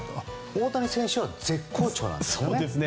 大谷選手は絶好調なんですよね。